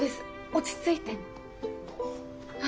落ち着いて。